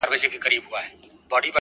زه به همدغه سي شعرونه ليكم”